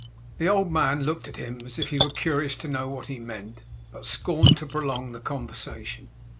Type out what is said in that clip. The old man looked at him as if he were curious to know what he meant, but scorned to prolong the conversation.